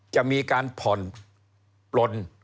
จะมีการผ่อนปลน